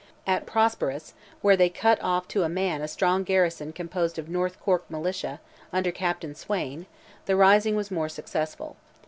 At Prosperous, where they cut off to a man a strong garrison composed of North Cork Militia, under Captain Swayne, the rising was more successful.